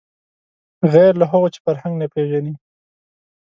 غیر له هغو چې فرهنګ نه پېژني